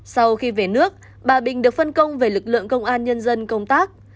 sau khi về nước bà bình được phân công về lực lượng công an nhân dân công tác